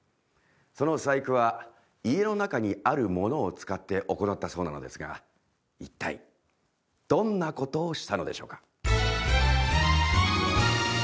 その細工は家の中にあるものを使って行ったそうなのですが一体どんなことをしたのでしょうか？